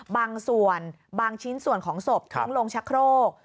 บางส่วนบางชิ้นส่วนของศพทิ้งลงชะโครก